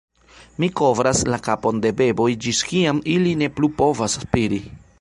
"Mi kovras la kapon de beboj ĝis kiam ili ne plu povas spiri."